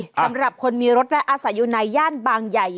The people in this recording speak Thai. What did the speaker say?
สำหรับคนมีรถและอาศัยอยู่ในย่านบางใหญ่